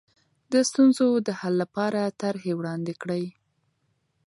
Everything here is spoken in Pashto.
د ستونزو د حل لپاره طرحې وړاندې کړئ.